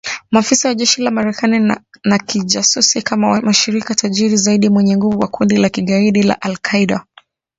Maafisa wa jeshi la Marekani na kijasusi kama mshirika tajiri zaidi na mwenye nguvu wa kundi la kigaidi la al-Qaida.